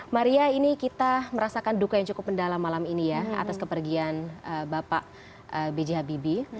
maria ini kita merasakan duka yang cukup mendalam malam ini ya atas kepergian bapak b j habibie